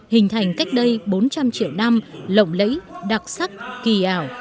hình thành cách đây bốn trăm linh triệu năm lộng lẫy đặc sắc kỳ ảo